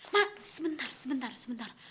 ma sebentar sebentar sebentar